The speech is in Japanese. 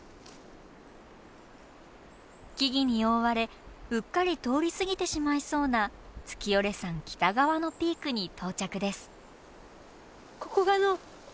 木々に覆われうっかり通り過ぎてしまいそうな月居山北側のピークに到着です。